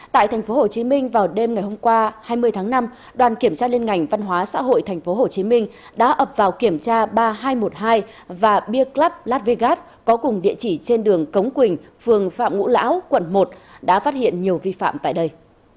tại tp hcm vào đêm ngày hôm qua hai mươi tháng năm đoàn kiểm tra liên ngành văn hóa xã hội tp hcm đã ập vào kiểm tra ba nghìn hai trăm một mươi hai và bia clublatvigat có cùng địa chỉ trên đường cống quỳnh phường phạm ngũ lão quận một đã phát hiện nhiều vi phạm tại đây